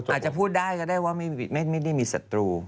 อาจจะพูดได้ก็ได้ว่าไม่ได้มีศัตรู